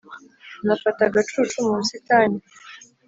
nafata agacucu mu busitani